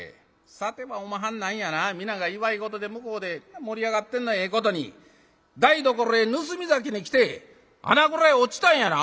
さてはおまはん何やな皆が祝い事で向こうで盛り上がってるのをええことに台所へ盗み酒に来て穴蔵へ落ちたんやな？」。